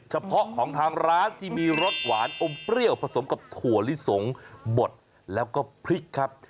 เฉพาะของทางร้านที่มีรสหวานอมเปรี้ยวผสมกับถั่วลิสงบดแล้วก็พริกครับ